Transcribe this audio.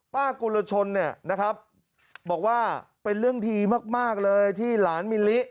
กุลชนเนี่ยนะครับบอกว่าเป็นเรื่องดีมากเลยที่หลานมิลลิ